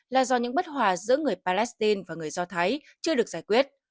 là do những bất hòa giữa người palestine và người do thái chưa được giải quyết